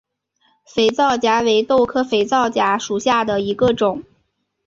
肥皂荚为豆科肥皂荚属下的一个种。